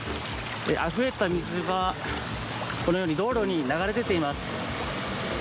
あふれた水が、このように道路に流れ出ています。